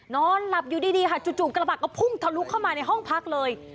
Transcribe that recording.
นอนหลับอยู่ดีค่ะจู่กระบะก็พุ่งทะลุเข้ามาในห้องพักเลย